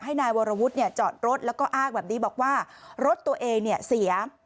ให้นายวรวุฒิจอดรถแล้วก็อ้ากแบบนี้บอกว่ารถตัวเองเสีย